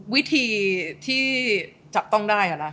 วิธีที่จับต้องได้นะ